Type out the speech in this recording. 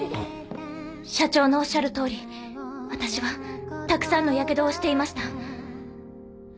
社長のおっしゃる通り私はたくさんのヤケドをしていました。